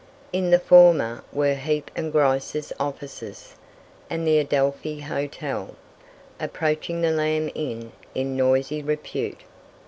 In the former were Heap and Grice's offices, and the Adelphi Hotel, approaching the Lamb Inn in noisy repute.